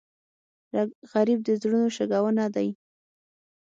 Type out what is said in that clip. غریب د زړونو شګونه دی